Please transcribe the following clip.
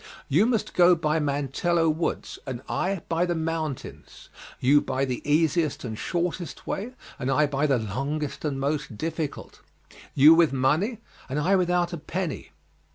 You must go by Mantello Woods, and I by the mountains; you by the easiest and shortest way, and I by the longest and most difficult; you with money and I without a penny.